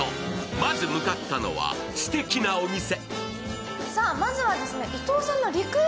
まず向かったのはすてきなお店。